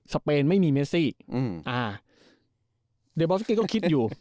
สเปนไม่มีเมซิอืมอ่าเดย์บอสเก้ก็คิดอยู่